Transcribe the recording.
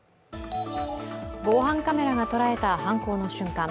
防犯カメラが捉えた犯行の瞬間。